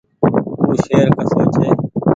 او شهر ڪسو ڇي۔